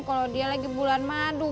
kalau dia lagi bulan madu